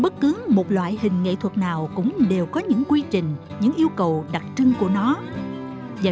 bất cứ một loại hình nghệ thuật nào cũng đều có những quy trình những yêu cầu đặc trưng của nó và